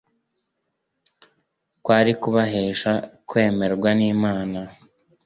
kwari kubahesha kwemerwa n'Imana.